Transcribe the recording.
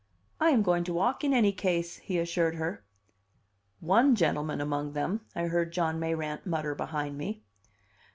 "I am going to walk in any case," he assured her. "One gentleman among them," I heard John Mayrant mutter behind me.